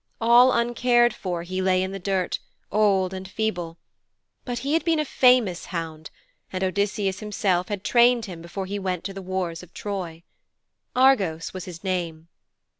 All uncared for he lay in the dirt, old and feeble. But he had been a famous hound, and Odysseus himself had trained him before he went to the wars of Troy. Argos was his name.